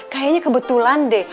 kayaknya kebetulan deh